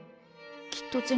きっと銭